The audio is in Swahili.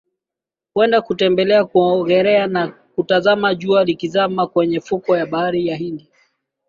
Huenda kutembelea kuogelea na kutazama jua likizama kwenye fukwe ya bahari ya Hindi